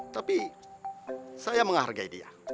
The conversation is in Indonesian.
tapi saya menghargai dia